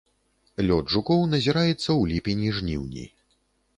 Лёт жукоў назіраецца ў ліпені-жніўні.